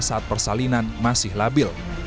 saat persalinan masih labil